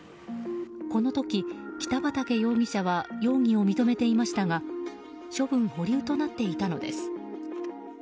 この時、北畠容疑者は容疑を認めていましたが処分保留となっていたのです。